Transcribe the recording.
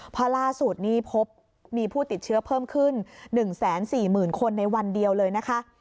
เพราะล่าสุดนี้พบมีผู้ติดเชื้อเพิ่มขึ้น๑๔๐๐๐คนในวันเดียวเลยนะคะ